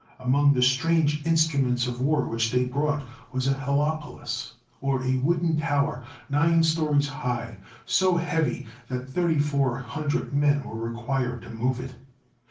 Among the strange instruments of war which they brought was a helopolis, or a wooden tower nine stories high, so heavy that 3400 men were required to move it.